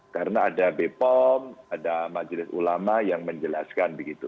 karena ada bepom ada majelis ulama yang menjelaskan begitu